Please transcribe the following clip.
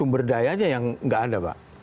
dan sumber dayanya yang nggak ada pak